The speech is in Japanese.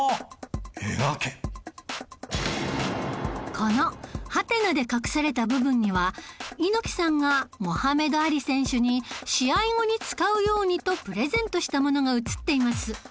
このハテナで隠された部分には猪木さんがモハメド・アリ選手に試合後に使うようにとプレゼントしたものが写っています